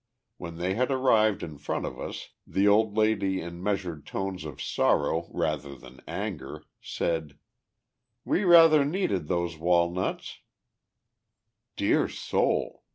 When they had arrived in front of us, the old lady in measured tones of sorrow rather than anger, said: "We rather needed those walnuts " Dear soul!